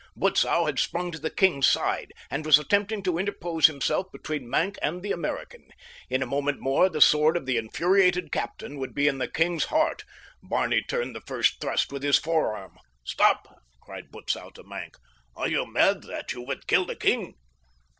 Butzow had sprung to the king's side, and was attempting to interpose himself between Maenck and the American. In a moment more the sword of the infuriated captain would be in the king's heart. Barney turned the first thrust with his forearm. "Stop!" cried Butzow to Maenck. "Are you mad, that you would kill the king?"